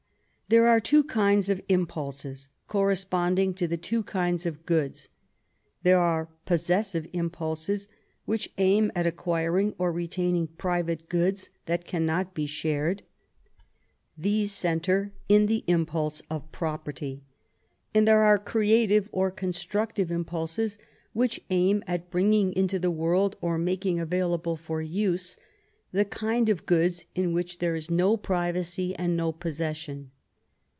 There are two kinds of impulses, corresponding to the two kinds of goods. There are possessive impulses, which aim at acquiring or retaining private goods that cannot be shared; these center in the impulse of property. And there are creative or constructive impulses, which aim at bringing into the world or making available for use the kind of goods in which there is no privacy and no possession.